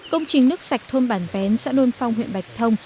công trình nước sạch thôn bản vén xã nôn phong huyện bạch thông